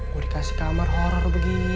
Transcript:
gue dikasih kamar horror begini